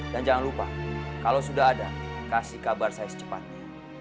dan jangan lupa kalau sudah ada kasih kabar saya secepatnya